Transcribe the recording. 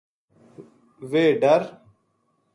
ویہ ڈر